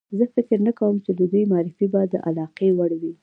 زه فکر نه کوم چې د دوی معرفي به د علاقې وړ وي.